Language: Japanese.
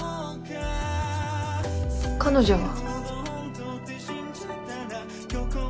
彼女は？